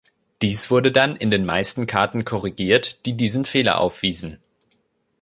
Dies wurde dann in den meisten Karten korrigiert, die diesen Fehler aufwiesen.